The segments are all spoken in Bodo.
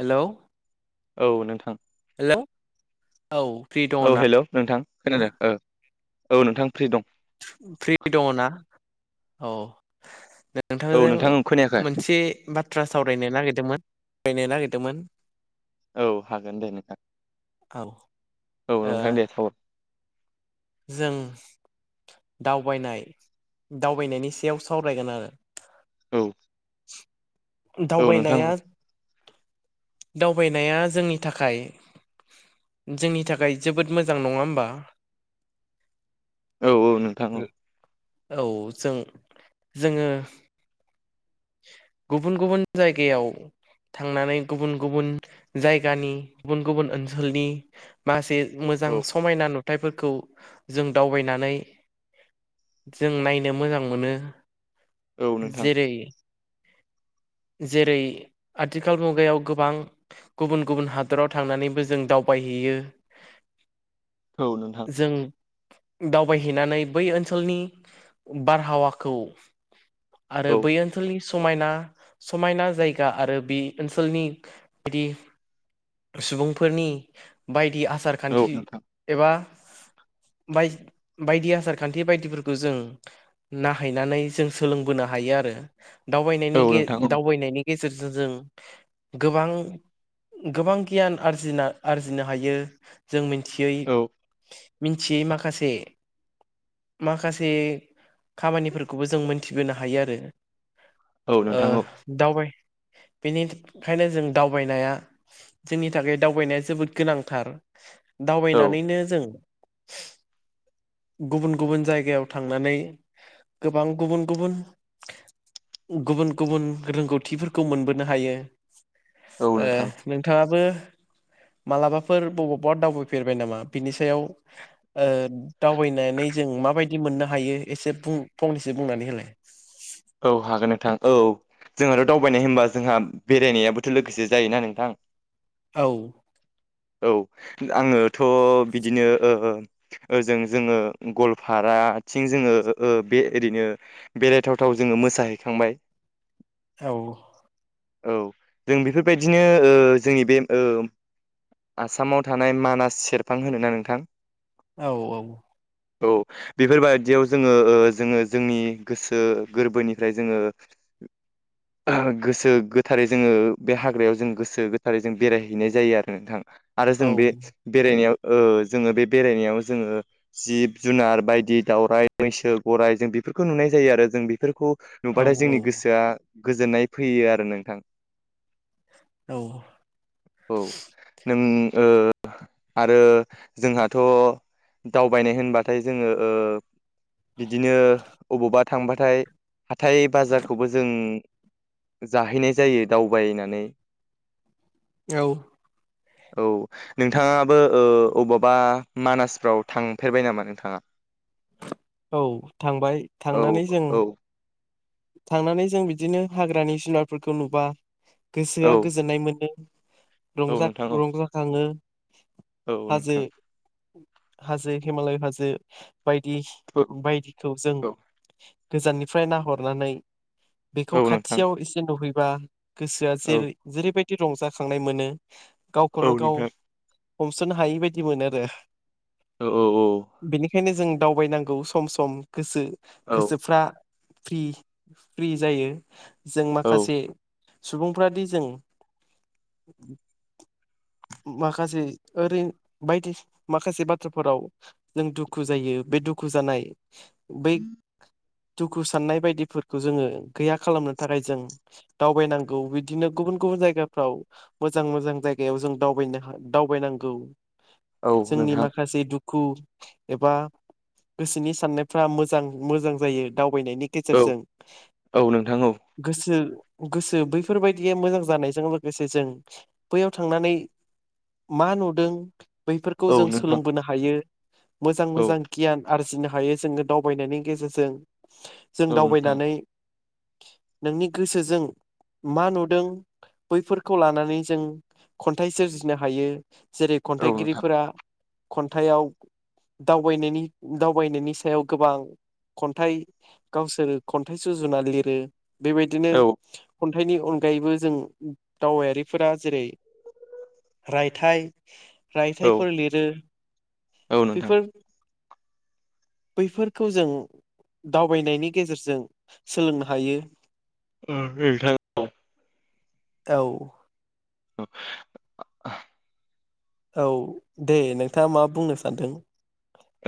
हेलौ औ नोंथां हेल' औ हेल' नोंथां खोनादों ओ औ नोंथां फ्रि दं। फ्रि दङ ना औ औ नोंथांजों नोंथां आं खोनायाखै मोनसे बाथ्रा सावरायनो नागिर मोन रायलायनो नागिरदोंमोन । औ हागोन दे नोंथां औ औ ओ नोंथां दे जों दावबायनाय दावबायनायनि सायाव सावरायगोन आरो औ । दावबायनाया दावबायनाया जोंनि थाखाय जोंनि थाखाय जोबोद मोजां नङा होमबा । औ औ नोंथां । औ जों जोङो गुबुन गुबुन जायगायाव थांनानै गुबुन गुबुन जायगानि गुबुन गुबुन ओनसोलनि माखासे मोजां औ समायना नुथाइफोरखौ जों दावबायनानै जों नायनो मोजां मोनो औ नोंथां जेरै जेरै आथिखाल मुगायाव गोबां गुबुन गुबुन हादराव थांनानैबो जों दाव बायहैयो औ नोंथां । दावबायहैनानै बै ओनसोलनि बारहावाखौ आरो औ बै ओनसोलनि समायना समायना जायगा आरो बे ओनसोलनि बायदि सुबुंफोरनि बायदि आसार औ खान्थि नोंथां एबा बाय बायदि आसार खान्थि बायदिफोरखौ जों नाहैनानै जों सोलोंबोनो हायो आरो औ बायनायनि नोंथां दावबायनायनि गेजेरजों जों गोबां गोबां गियान आरजिना आरजिनो हायो जों मिथियै औ मिथियै माखासे माखासे खामानिफोरखौबो जों मोनथिबोनो हायो आरो। औ ओ नोंथां औ दावबाय बेनि खायनो जों दावबायनाया। जोंनि थाखाय दावबायनाया जोबोद गोनांथार औ दावबायनानैनो जों। [unintelligible] गुबुन-गुबुन जायगायाव थांनानै गोबां गुबुन-गुबुन गुबुन गुबुन रोंगौथिफोरखौ मोनबोनो हायो। औ ओ नोंथां नोंथाङाबो। मालाबाफोर बबावबा दावबायफेरबाय नामा बिनि सायाव ओ दावबायनानै जों। माबायदि मोननो हायो एसे बु फंनैसो बुंनानै होलाय औ हागोन नोंथां औ जोंहाथ दावबायनाय होनबा जोंहा बेरायनायाबोथ लोगोसे जायोना नोंथां अऔ। औ आङोथ बिदिनो ओ ओजों जोंङो गवालपारा थिं जोङो बे ओरैनो बेरायथावथाव जोङो मोसाहैखांबाय। औ औ जों बेफोरबायदिनो ओ जोंनि बे आसामाव थानाय मानास सेरफां होनोना नोंथां। औ औ औ बेफोरबादियाव जोङो जोङो जोंनि गोसो। गोरबोनिफ्राय जोंङो गोसो गोथारै जोङो बे हाग्रायाव जों गोसो गोथारै जों बेरायहैनाय जायो आरो नोंथां। आरो जों औ बे बेरायनायाव ओ जोङो बे बेरायनायाव जोङो जिब जुनार बायदि दाउरराय मैसो गराइ जों बे। फोरखौ नुनाय जायो आरो जों बे खौ औ नुबाथाय जोंनि गोसोआ गोजोननाय फैयो आरो नोंथां। औ औ नों आरो जोंहाथ' दावबायनाय होनबाथाय जोङो ओ बिदिनो अबावबा थांबाथाय हाथाय बाजारखौबो जों जाहैनाय जायो दावबायनानै। औ औ नोंथाङाबो ओ अबावबा मानासफ्राव थांफेरबाय नामा नोंथाङा? औ थांबाय औ थांनानै जों औ थांनानै जों बिदिनो हाग्रानि जुुनारफोरखौ नुबा गोसोआ औ गोजोननाय मोनदों। औ रंजा नोंथां औ रंजाखाङो। औ हाजो नोंथां। हाजो हिमालय हाजो बायदि औ बायदिखौ जों औ गोजाननिफ्राय नाहरनानै बेखौ औ नोंथां खाथियाव एसे नुहैबा गोसोआ औ जेरै जेरैबायदि रंजाखांनाय मोनो औ गावखौनो गाव नोंथां हमस'नो हायि बायदि मोनो आरो। औ औ ओंखायनो जों दावबायनांगौ सम सम गोसो औ गोसोफ्रा फ्रि फ्रि जायो जों माखासे सुबुंफोरादि जों माखासे ओरै बायदि माखासे बाथ्राफोराव जों दुखु जायो। बे दुखु जानाय बै दुखु साननाय बायदिफोरखौ जोङो गैया खालामनो थाखाय जों दावबायनांगौ बिदिनो गु बुन गुबुन जायगाफ्राव मोजां मोजां जाय गायाव जों दावबायनोहा दावबायनांगौ औ जोंनि नोंथां माखासे दुु खु एबा गोसोनि साननायफ्रा मोजां मोजां जायो दाव बायनायनि औ गेजेरजों औ नोंथां गोसो गोसो बैफोरबायदिया मोजां जानायजों लोगोसे जों बैयाव थांनानै मा नुदों बैफोरखौ औ जों नोंथां सोलोंबोनो हायो। मोजां औ मोजां गियान आरजिनो हायो जोङो दावबायनायनि गेजेरजों। जों औ नोंथां दावबायनानै नोंनि गोसोजों मा नुदों बैफोरखौ लानानै जों खन्थाइ सोरजिनो हायो। जेरै औ नोंथां खन्थाइगिरिफोरा खन्थाइआव दावबायनायनि दावबायनायनि सायाव गोबां खन्थाइ गावसोरो खन्थाइ सुजुना लिरो। बेबायदिनो औ खन्थाइनि अनगायैबो जों दावबायारिफोरा जेरै रायथाइ औ रायथाइफोर लिरो। औ नोंथां बेफोर बैफोरखौ जों दावबायनायनि गेजेरजों सोलोंनो हायो। ओ नोंथां औ [unintelligible] औ दे नोंथाङा मा बुंनो सानदों।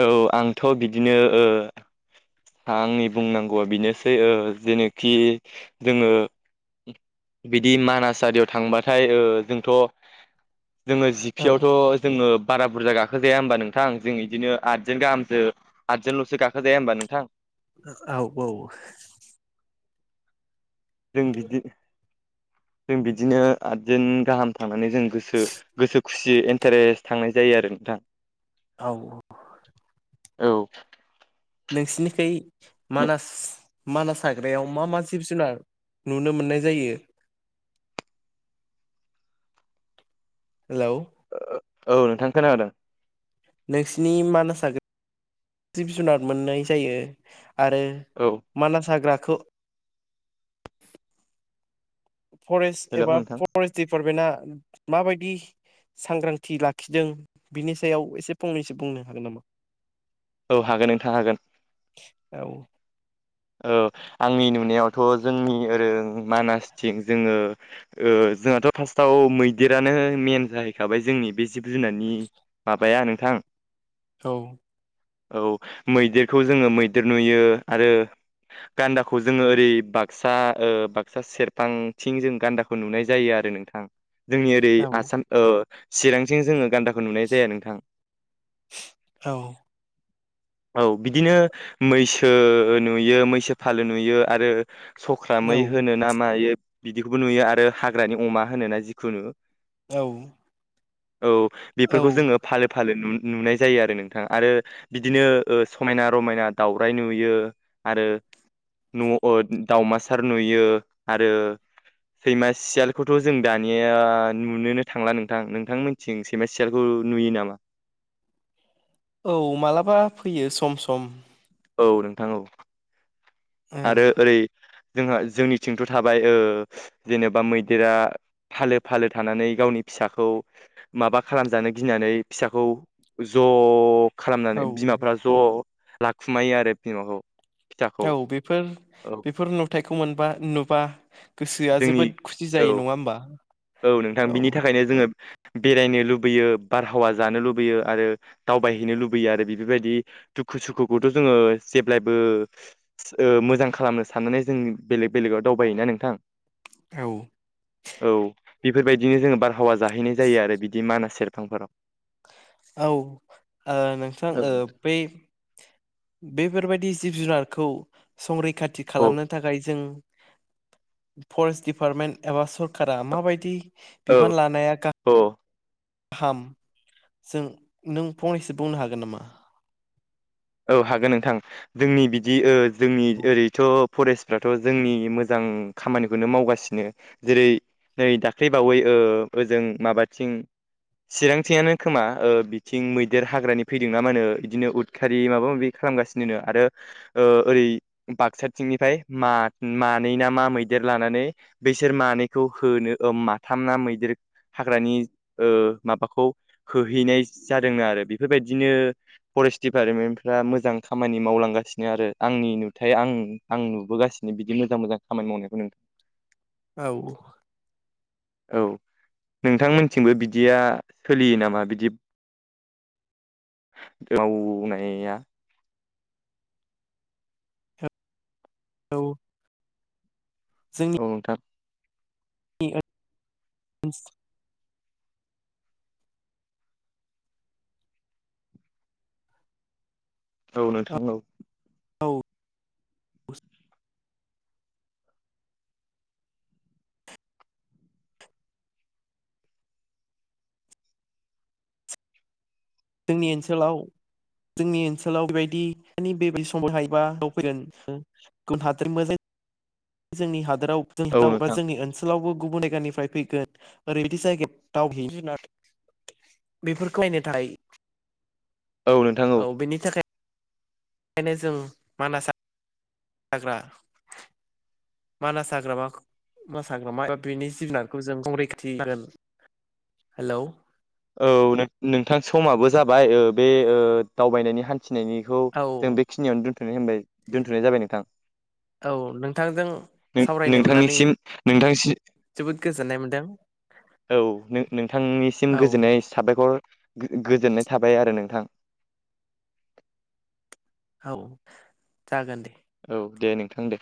औ आंथ' बिदिनो ओ आंनि बुंनांगौआ बेनोसो ओ जेनोखि जोङो बिदि मानास आरियाव थांबाथाय ओ जोंथ' जोङो औ जिफियावथ' जोङो बारा बुरजा गाखोजाया होमबा नोंथां जों इदिनो आथजोन गाहामसो आथजोनल'सो गाखोजाया होमबा नोंथां? ओ आव औ जों बिदि [inaudible] जों बिदिनो आथजोन गाहाम थांनानै जों गोसो गोसो खुसि एन्टारेस्ट थांनाय जायो आरो। थां औ औ औ नोंसिनिखै मानास मानास हाग्रायाव मा मा जिब जुनार नुनो मोननाय जायो? हेलौ? औ नोंथां खोनादों। नोंसिनि मानास हाग्रा [unintelligible] जिब जुनार मोननाय जायो आरो औ मानास हाग्राखौ फरेस्ट हेलौ एबा नोंथां फरेस्ट दिपार्टमेन्टा माबायदि सांग्रांथि लाखिदों बिनि सायाव एसे फंनैसो बुंनो हागोन नामा? औ हागोन नोंथां हागोन। औ। औ। आंनि नुनायावथ' जोंनि ओरों मानासथिं जोङो ओ जोंहाथ' [unintelligible] औ मैदेरानो मेन जाहैखाबाय जोंनि बे जिब जुनारनि माबाया नोंथां। औ। औ मैदेरखौ जोङो मैदेर नुयो आरो गान्दाखौ जोङो ओरै बाक्सा ओ बाक्सा सेरफांथिं जों गान्दाखौ नुनाय जायो आरो नोंथां। जोंनि ओरै औ आसान ओ चिरांथिं जोङो गानदा नुनाय जाया नोंथां। औ बिदिनो मैसो नुयो मैसो फालो नुयो आरो सख्रामै औ होनो ना मायो बिदिखौबो नुयो आरो हाग्रानि अमा होनो ना जिखुनु। औ। औ औ बेफोरखौ जोंङो फालो फालो नु नुनाय जायो आरो नोंथां आरो बिदिनो ओ समायना रमायना दावउराइ नुयो। आरो न' अ दावमासार नुयो आरो सैमा सियालखौथ' जों दानिया नुनोनो थांला नोंथां, नोंथांमोननिथिं सैमा सियालखौ नुयो नामा? औ मालाबा फैयो सम सम। औ नोंथां औ आरो ओरै जोंहा जोंनिथिंथ' थाबाय ओ जेनेबा मैदेरा फालो फालो थानानै गावनि फिसाखौ माबा खालामजानो गिनानै फिसाखौ ज' - औ खालामनानै बिमाफ्रा ज' लाखुमायो आरो बिमाखौ। फिसाखौ औ बेफोर औ बेफोर नुथायखौ मोनबा नुबा गोसोआ जोंनि जोबोद खुसि औ जायो नङा होमबा औ नोंथां बिनि थाखायनो जोङो बेरायनो लुबैयो, बारहावा जानो लुबैयो आरो दावबायहैनो लुबैयो आरो बेफोरबायदि दुखु सुखुखौथ' जोङो जेब्लायबो ओ मोजां खालामनो साननानै जों बेलेग बेलेगाव दावबायोना नोंथां। औ। औ बेफोरबायदिनो जोङो बारहावा जाहैनाय जायो आरो बिदि मानास सेरफांफोराव। औ ओ नोंथां ओ बै बेफोरबायदि जिब जुनारखौ संरैखाथि औ खालामनो थाखाय जों फरेस्ट दिडिपार्टमेन्ट एबा सरकारा माबायदि औ बिबान लानाया गा औ हाम जों नों फंनैसो बुंनो हागोन नामा? औ हागोन नोंथां। जोंनि बिदि ओ जोंनि ओरैथ' फरेस्टफ्राथ' जोंनि मोजां खामानिखौनो मावगासिनो। जेरै नै दाख्लै बावै ओ ओ ओजों माबाथिं चिरांथिंयानो खोमा बिथिं मैदेर हाग्रानि फैदोंनामानो ओ बिदिनो उदखा रि माबा माबि खालामगासिनो नो आरो ओ ओरै बाक्साथिंनिफ्राय मा-मा नै ना मा मैदेर लानानै, बैसोर मानैखौ होनो ओ माथाम ना मैदेर हाग्रानि ओ माबाखौ होहैनाय जादोंनो आरो बेफोरबायदिनो फरेस्ट दिपारमेन्टफ्रा मोजां खामानि मावलांगासिनो आरो आंनि नुथाय आं आं नुबोगासिनो बिदिनो मोजां मोजां खामानि मावनायखौ नों औ औ नोंथांमोनथिंबो बिदिया सोलियो नामा बिदि बेयाव [unintelligible] [unintelligible] औ औ जोंनि नोंथां। [unintelligible] औ नोंथां औ। औ जोंनि ओनसोलाव जोंनि ओनसोलाव बेबायदिनि [unintelligible] समाव [unintelligible] जोंनि हादोराव औ [unintelligible] बा नोंथां जोंनि ओनसोलावबो गुबुन जायगानिफ्राय फैगोन ओरैबायदि जायगायाव [unintelligible] बेफोरखौ नायनो [unintelligible] औ नोंथां औ बेनि थाखाय बेखायनो जों मानास [inaudible] हाग्रा मानास हाग्रामा खो मास हाग्रामा [unintelligible] हेलौ औ नों नोंथां समाबो जाबाय ओ बे ओ दावबायनायनि हान थिनायनिखौ औ जों बेखिनियावनो दोन्थ'नाय होनबाय दोन्थ'नाय जाबाय नोंथां। औ नोंथांजों [inaudible] नों सावरायनो मोननानै नोंथांनिसिम नोंथांसि जोबोद गोजोनाय मोनदों औ नो-नोंथांनिसिम औ गोजोननाय साबायखर गो-गोजोननाय थाबाय आरो नोंथां। औ जागोन दे। औ दे नोंथां दे।